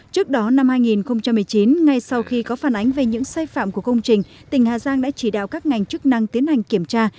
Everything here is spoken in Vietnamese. trước đó năm hai nghìn một mươi chín ngay sau khi có phản ánh về những sai phạm của công trình tỉnh hà giang đã chỉ đạo các ngành chức năng tiến hành kiểm tra